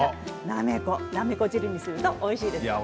ナメコ汁にするとおいしいですね。